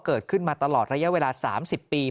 เกิดขึ้นมาตลอดระยะเวลา๓๐ปี